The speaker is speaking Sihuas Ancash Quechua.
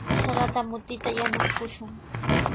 Sarata mutita yanukushun.